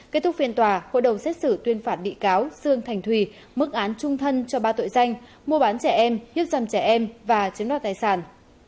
kết thúc phiên tòa hội đồng xét xử tuyên phạt bị cáo sương thành thùy mức án trung thân cho ba tội danh mua bán trẻ em hiếp dâm trẻ em và chiếm đoạt tài sản